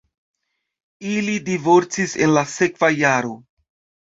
Ili divorcis en la sekva jaro.